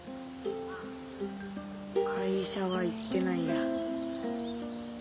会社は行ってないや。